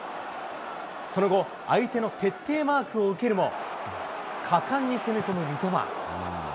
その後、相手の徹底マークを受けるも、果敢に攻め込む三笘。